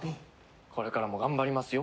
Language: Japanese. これからも頑張りますよ。